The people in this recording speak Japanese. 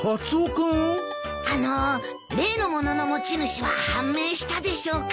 あの例のものの持ち主は判明したでしょうか。